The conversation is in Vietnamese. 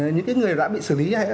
những cái người đã bị xử lý